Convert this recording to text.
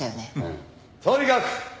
とにかく！